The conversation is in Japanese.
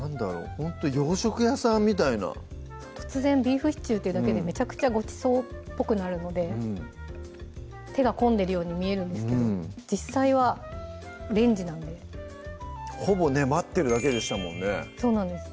ほんと洋食屋さんみたいな突然ビーフシチューっていうだけでめちゃくちゃごちそうっぽくなるので手が込んでるように見えるんですけど実際はレンジなんでほぼね待ってるだけでしたもんねそうなんです